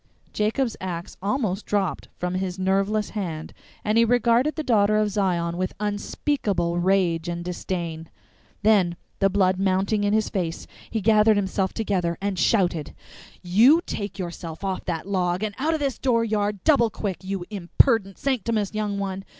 Jacob's axe almost dropped from his nerveless hand, and he regarded the Daughter of Zion with unspeakable rage and disdain. Then, the blood mounting in his face, he gathered himself together, and shouted: "You take yourself off that log and out o' this dooryard double quick, you imperdent sanct'omus young one!